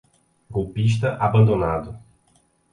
Golpista abandonado